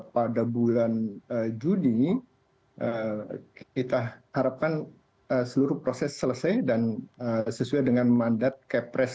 pada bulan juni kita harapkan seluruh proses selesai dan sesuai dengan mandat kepres